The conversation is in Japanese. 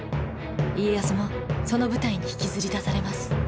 家康もその舞台に引きずり出されます。